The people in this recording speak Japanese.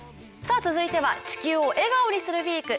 続いては「地球を笑顔にするＷＥＥＫ」